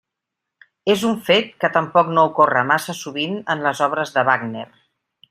És un fet que tampoc no ocorre massa sovint en les obres de Wagner.